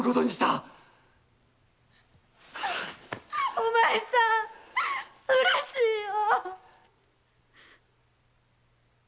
お前さんうれしいよ。